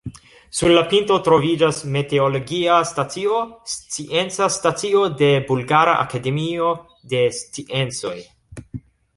Sur la pinto troviĝas meteologia stacio, scienca stacio de Bulgara Akademio de Sciencoj.